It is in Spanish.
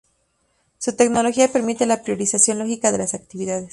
Su tecnología permite la priorización lógica de las actividades.